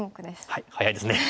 はい早いですね。